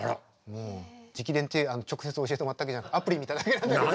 もう直伝って直接教えてもらったわけじゃなくてアプリ見ただけなんだけど。